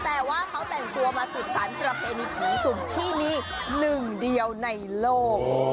แต่ว่าเขาแต่งตัวมาสืบสารประเพณีผีสุกที่มีหนึ่งเดียวในโลก